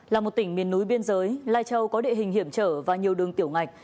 là một tỉnh miền núi biên giới lai châu có địa hình hiểm trở và nhiều đường tiểu ngạch